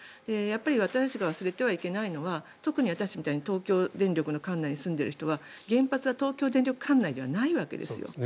私たちが忘れてはいけないのは東京電力管内に住んでいる人は、原発は東京電力管内ではないわけです。